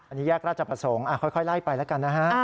อันนี้แยกราชประสงค์ค่อยไล่ไปแล้วกันนะฮะ